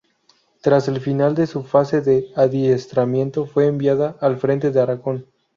Tras el final de su fase de adiestramiento fue enviada al frente de Aragón.